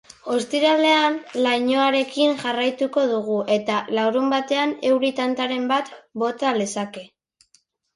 Ostiralean lainoarekin jarraituko dugu eta larunbatean euri tantaren bat bota lezake.